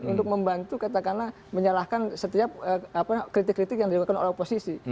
untuk membantu katakanlah menyalahkan setiap kritik kritik yang dilakukan oleh oposisi